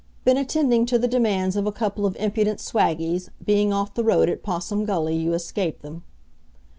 (Been attending to the demands of a couple of impudent swaggies. Being off the road at Possum Gully, you escape them.)